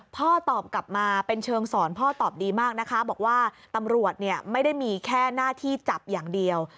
พ่อตอบกลับมาเป็นเชิงสอนพ่อตอบดีมากนะคะบอกว่าตำรวจเนี่ยไม่ได้มีแค่หน้าที่จับอย่างเดียว